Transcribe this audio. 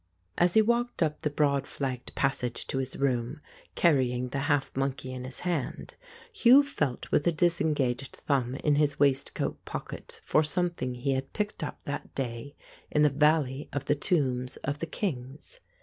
As he walked up the broad flagged passage to his room, carrying the half monkey in his hand, Hugh felt with a disengaged thumb in his waistcoat pocket for something he had picked up that day in the valley of the tombs of the kings.